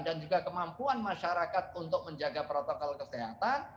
dan juga kemampuan masyarakat untuk menjaga protokol kesehatan